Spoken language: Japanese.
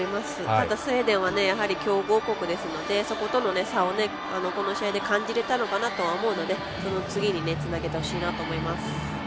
ただスウェーデンは強豪国ですのでそことの差をこの試合で感じれたのかなと思うのでその次につなげてほしいなと思います。